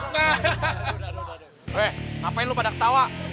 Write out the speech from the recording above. teh ngapain lu pada ketawa